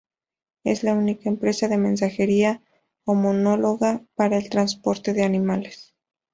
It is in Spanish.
Es la única empresa de mensajería homologada para el transporte de animales.